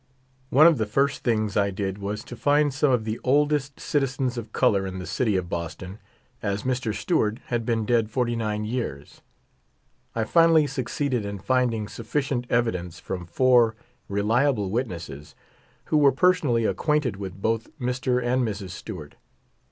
One of the first things I did was to find some of the oldest citizens of color in the city of Boston, as Mr. Stewart had been dead forty nine 3'ear9. I finally succeeded in finding suflftcient evidence from four reliable witnesses, who were person ally acquainted with both Mr. and Mrs. Stewart.